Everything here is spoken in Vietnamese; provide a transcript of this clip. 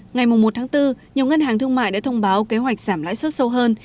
ngày một bốn nhiều ngân hàng thương mại đã thông báo kế hoạch giảm lãi suất sâu hơn